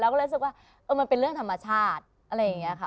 ก็รู้สึกว่ามันเป็นเรื่องธรรมชาติอะไรอย่างนี้ค่ะ